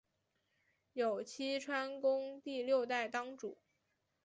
有栖川宫第六代当主。